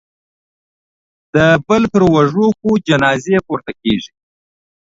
د بل په اوږو خو جنازې پورته کېږي